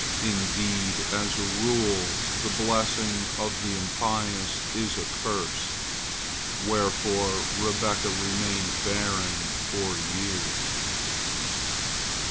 Indeed, as a rule, the blessing of the impious is a curse, wherefore Rebekah remained barren for years.